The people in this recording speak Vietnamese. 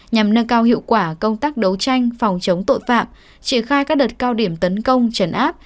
nhằm nâng cao hiệu quả công tác đấu tranh phòng chống tội phạm triển khai các đợt cao điểm tấn công chấn áp